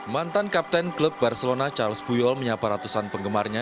mantan kapten klub barcelona charles puyol menyapa ratusan penggemarnya